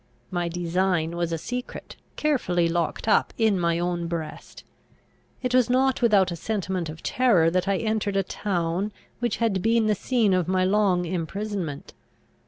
My design was a secret, carefully locked up in my own breast. It was not without a sentiment of terror that I entered a town which had been the scene of my long imprisonment.